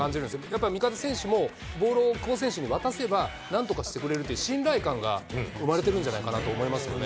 やっぱ味方選手も、ボールを久保選手に渡せば、なんとかしてくれるという信頼感が生まれてるんじゃないかと思いますね。